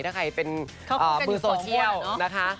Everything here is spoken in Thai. ถ้าใครเป็นมือโซเชียลนะคะ